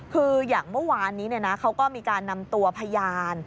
คืออย่างเมื่อวานนี้เขาก็มีการนำตัวพยาน